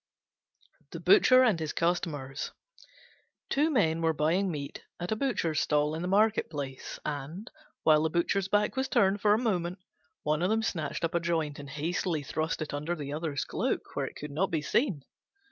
THE BUTCHER AND HIS CUSTOMERS Two Men were buying meat at a Butcher's stall in the market place, and, while the Butcher's back was turned for a moment, one of them snatched up a joint and hastily thrust it under the other's cloak, where it could not be seen.